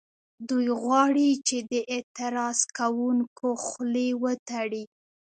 دوی غواړي چې د اعتراض کوونکو خولې وتړي